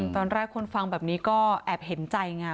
ตอนแรกคนฟังแบบนี้ก็แอบเห็นใจไง